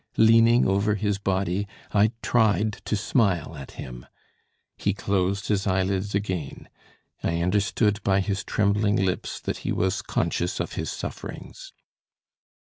Leaning over his body, I tried to smile at him. He closed his eyelids again; I understood by his trembling lips that he was conscious of his sufferings.